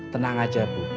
tenang aja bu